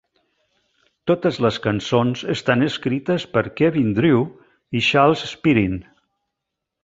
Totes les cançons estan escrites per Kevin Drew i Charles Spearin.